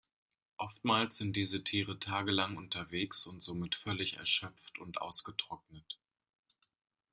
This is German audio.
Oftmals sind diese Tiere tagelang unterwegs und somit völlig erschöpft und ausgetrocknet.